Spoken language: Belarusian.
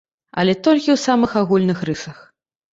Але толькі ў самых агульных рысах!